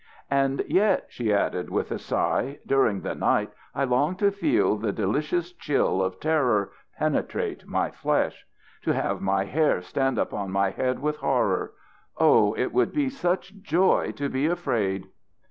"And yet," she added with a sigh, "during the night I long to feel the delicious chill of terror penetrate my flesh. To have my hair stand up on my head with horror. O! it would be such joy to be afraid!"